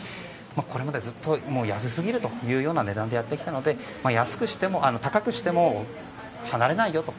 これまでずっと安すぎるというような値段でやってきたので、高くしても離れないよと。